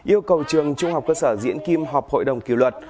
yêu cầu trường trung học quân sở diễn kim họp hội đồng cứu luật